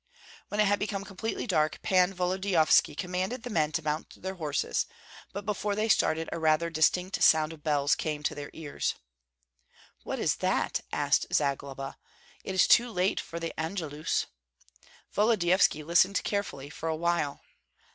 When it had become completely dark, Pan Volodyovski commanded the men to mount their horses; but before they started a rather distinct sound of bells came to their ears. "What is that?" asked Zagloba, "it is too late for the Angelus." Volodyovski listened carefully, for a while.